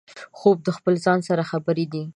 خوب د خپل ځان سره خبرې دي